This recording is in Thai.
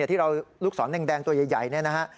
ที่เราลูกศรแดงตัวใหญ่เนี่ยนะฮะ